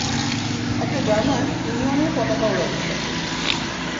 একটা জার্মান, ইউনিয়নের পতাকা উড়াচ্ছে!